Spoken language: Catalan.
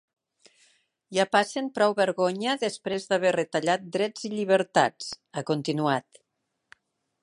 Ja passen prou vergonya després d’haver retallat drets i llibertats, ha continuat.